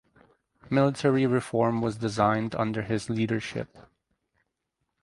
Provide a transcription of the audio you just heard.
Military reform was designed under his leadership.